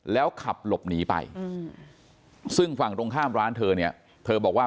แล้วขับหลบหนีไปซึ่งฝั่งตรงข้ามร้านเธอเนี่ยเธอบอกว่า